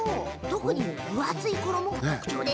特に、分厚い衣が特徴。